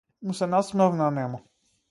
Му се насмевна нему.